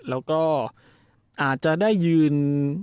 แล้วก็อาจจะได้ยืน